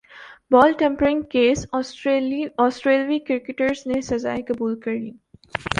بال tampering case سٹریلوی cricketers نے سزائیں قبول کر لیں